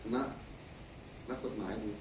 นักกฎหมาย